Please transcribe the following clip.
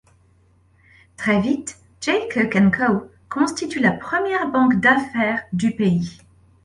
Très vite, Jay Cooke & Co constitue la première banque d'affaires du pays.